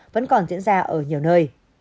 vẫn còn diễn ra ở nhiều nơi